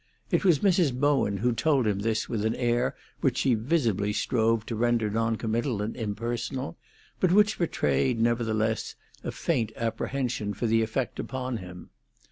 It was Mrs. Bowen who told him this with an air which she visibly strove to render non committal and impersonal, but which betrayed, nevertheless, a faint apprehension for the effect upon him.